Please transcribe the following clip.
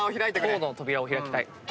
「ぽー」の扉を開きたい。